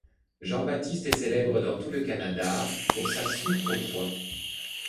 Jean Baptiste est célèbre dans tout le Canada pour sa soupe aux pois.